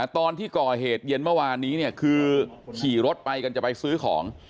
ตอนที่ก่อเหตุเย็นเมื่อวานนี้เนี่ยคือขี่รถไปกันจะไปซื้อของ